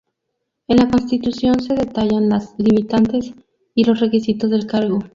En la Constitución se detallan las limitantes y los requisitos del cargo.